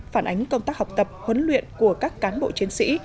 phản ánh công tác học tập huấn luyện của các cán bộ chiến sĩ